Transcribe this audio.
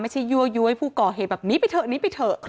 ไม่ใช่ยั่วยั่วให้ผู้ก่อเหตุแบบนี้ไปเถอะนี้ไปเถอะครับ